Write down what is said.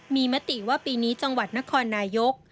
มีมติว่าปีนี้จังหวัดนครนายก